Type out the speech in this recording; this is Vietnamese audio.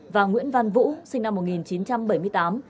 và nguyễn văn vũ sinh năm một nghìn chín trăm bảy mươi tám